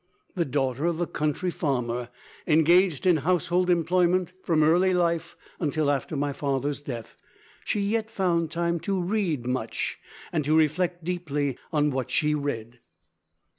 The daughter of a country farmer, engaged in household employment from early life until after my father's death, she yet found time to read much, and to reflect deeply on what she read.